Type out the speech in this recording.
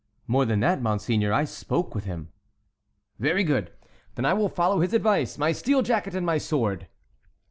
"More than that, monseigneur; I spoke with him." "Very good; then I will follow his advice—my steel jacket and my sword."